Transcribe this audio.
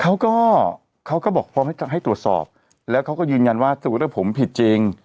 เขาก็เขาก็บอกพร้อมให้ตรวจสอบแล้วเขาก็ยืนยันว่าสมมุติว่าผมผิดจริง